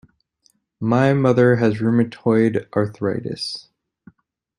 My mother has rheumatoid arthritis.